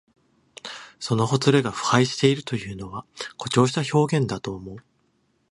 そのほつれが腐敗しているというのは、誇張した表現だと思う。